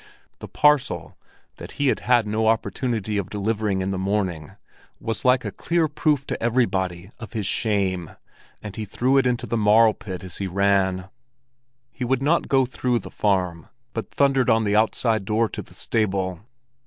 The parcel that he had had no opportunity of delivering in the morning was like a clear proof to everybody of his shame, and he threw it into a marl pit as he ran. He would not go through the farm, but thundered on the outside door to the stable.